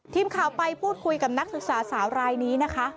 ทีมข่าวไปพูดคุยกับนักศึกษาสาวรายนี้นะคะ